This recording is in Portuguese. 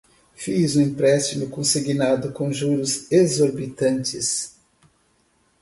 Fiz um empréstimo consignado com juros exorbitantes